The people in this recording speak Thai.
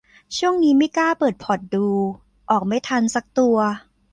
ช่วงนี้ไม่กล้าเปิดพอร์ตดู ออกไม่ทันสักตัว